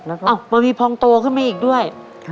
แล้วก็มันมีพองโตขึ้นมาอีกด้วย